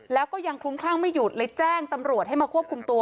แล้วก็ยังคลุ้มคลั่งไม่หยุดเลยแจ้งตำรวจให้มาควบคุมตัว